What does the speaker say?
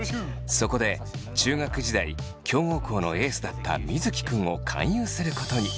そこで中学時代強豪校のエースだった水城君を勧誘することに。